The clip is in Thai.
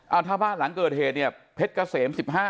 เอ้าธาบาลหลังเกิดเหตุเนี่ยเพชรเกษมสิบห้า